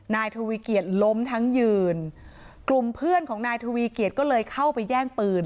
นายทวีเกียจล้มทั้งยืนกลุ่มเพื่อนของนายทวีเกียจก็เลยเข้าไปแย่งปืน